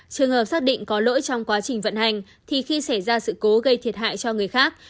trường hợp xác định có lỗi trong quá trình vận hành thì khi xảy ra sự cố gây thiệt hại cho người khác